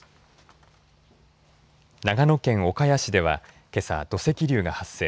長野県岡谷市ではけさ、土石流が発生。